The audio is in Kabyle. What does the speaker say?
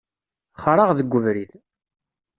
Xraɣ deg ubrid.